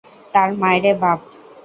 তার মায়রে বাপ?